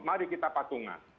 mari kita patungan